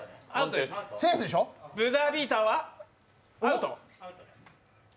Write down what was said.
ブザービーターはアウト？